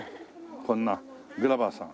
こんなグラバーさん。